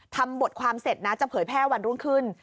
ทำบทความเสร็จนะจะเผยแพร่วันรุ่งขึ้น